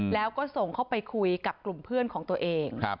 แล้วก็ส่งเข้าไปคุยกับกลุ่มเพื่อนของตัวเอง